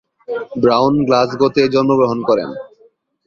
Brown গ্লাসগোতে জন্ম গ্রহণ করেন।